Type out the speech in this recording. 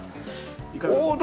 いかがですか？